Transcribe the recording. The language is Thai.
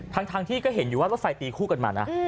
ทั้งที่ก็เห็นอยู่ว่ารถไฟตีคู่กันมานะ